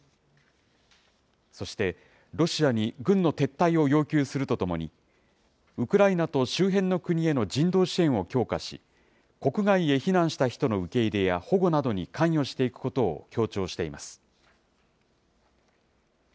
そして、ロシアに軍の撤退を要求するとともに、ウクライナと周辺の国への人道支援を強化し、国外へ避難した人の受け入れや保護などに関与していくことを強調しています。